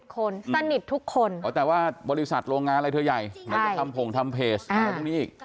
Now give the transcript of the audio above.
๘๐คน๘๐คนสนิททุกคนแต่ว่าบริษัทโรงงานอะไรเธอใหญ่ทำโผงทำเพจอะไรทุกนี้อีก